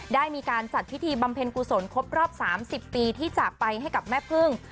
ได้มีการจัดพิธีบำเพ็ญกุศลครบรอบ๓๐ปีที่จากไปให้กับแม่พึ่ง